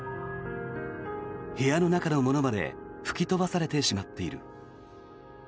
部屋の中のものまで吹き飛ばされてしまっている。